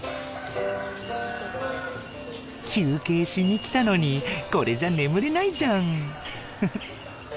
休憩しに来たのにこれじゃ眠れないじゃん！